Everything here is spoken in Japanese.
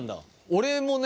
俺もね